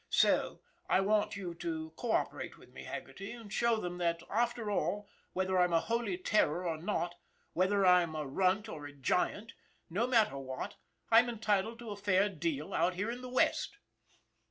So I want you to cooperate with me, Haggerty, and show them that, after all, whether I'm a holy terror or not, whether I'm a runt of a giant, no matter what, I'm entitled to a fair deal out here in the West.